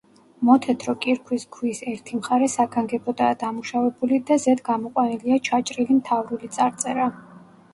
მოთეთრო კირქვის ქვის ერთი მხარე საგანგებოდაა დამუშავებული და ზედ გამოყვანილია ჩაჭრილი მთავრული წარწერა.